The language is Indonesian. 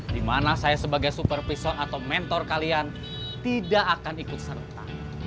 dimana saya sebagai supervisor atau mentor kalian tidak akan ikut serta